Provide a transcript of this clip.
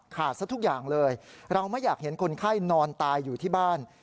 ซะทุกอย่างเลยเราไม่อยากเห็นคนไข้นอนตายอยู่ที่บ้าน